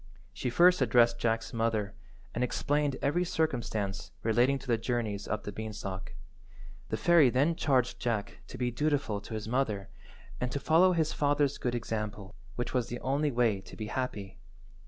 She first addressed Jack's mother, and explained every circumstance relating to the journeys up the beanstalk. The fairy then charged Jack to be dutiful to his mother, and to follow his father's good example, which was the only way to be happy.